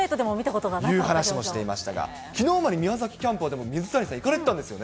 という話もしていましたが、きのうまで宮崎キャンプは水谷さん、行かれてたんですよね。